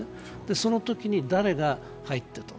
そのときに誰が入ってと。